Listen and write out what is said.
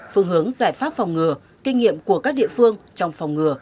phương hướng giải pháp phòng ngừa kinh nghiệm của các địa phương trong phòng ngừa